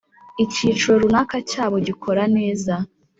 icyiciro runaka cyabo gikora neza.